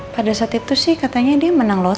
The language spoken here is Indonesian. pada saat itu sih katanya dia menang lotre ya